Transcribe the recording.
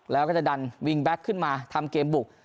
แล้วก็จะดันวิงแบ็คขึ้นมาทำเกมบุก